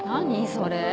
それ。